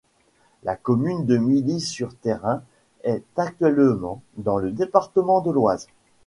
La commune de Milly-sur-Thérain est actuellement dans le département de l'Oise.